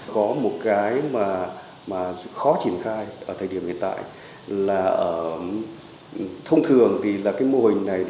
có một cái khó triển khai ở thời điểm hiện tại là thông thường mô hình này